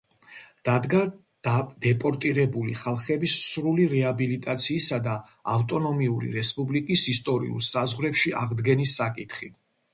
დადგა დეპორტირებული ხალხების სრული რეაბილიტაციისა და ავტონომიური რესპუბლიკის ისტორიულ საზღვრებში აღდგენის საკითხი.